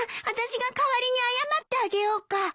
私が代わりに謝ってあげようか？